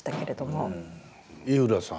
井浦さん。